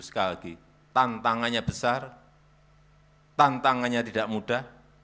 sekali lagi tantangannya besar tantangannya tidak mudah